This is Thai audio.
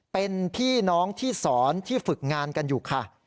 เป็นพี่น้องที่สอนที่ฝึกงานกันอยู่ค่ะ